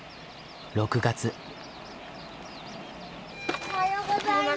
おはようございます。